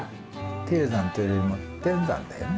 低山というよりも天山だよね。